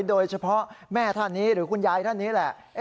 แม่ท่านนี้หรือคุณยายท่านนี้แหละ